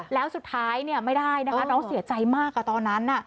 แล้วสุดท้ายไม่ได้นะคะน้องเสียใจมากตอนนั้น